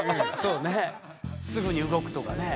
すぐに動くとかね。